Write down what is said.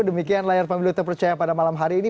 demikian layar pemilu terpercaya pada malam hari ini